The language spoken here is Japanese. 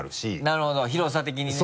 なるほど広さ的にね。